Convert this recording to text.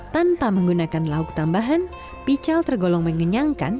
tanpa menggunakan lauk tambahan pical tergolong mengenyangkan